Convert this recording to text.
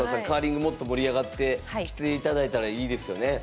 カーリングもっと盛り上がってきて頂いたらいいですよね。